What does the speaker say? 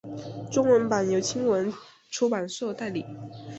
中文版由青文出版社代理。